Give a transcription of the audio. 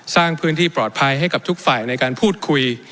สร้างพื้นที่ปลอดภัยให้กับทุกฝ่ายในการพูดคุย